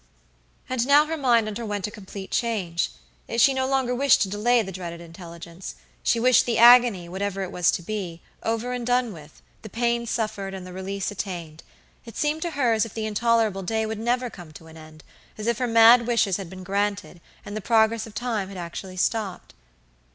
And now her mind underwent a complete change. She no longer wished to delay the dreaded intelligence. She wished the agony, whatever it was to be, over and done with, the pain suffered, and the release attained. It seemed to her as if the intolerable day would never come to an end, as if her mad wishes had been granted, and the progress of time had actually stopped.